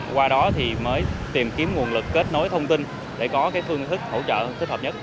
qua đó thì mới tìm kiếm nguồn lực kết nối thông tin để có phương thức hỗ trợ thích hợp nhất